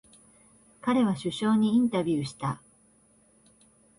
彼は首相にインタビューした。